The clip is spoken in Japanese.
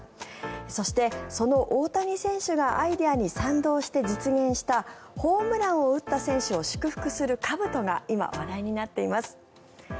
そして、その大谷選手がアイデアに賛同して実現したホームランを打った選手を祝福するかぶとが今、話題になっています。